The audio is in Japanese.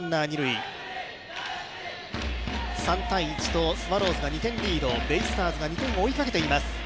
３−１とスワローズが２点リード、ベイスターズが追いかけています。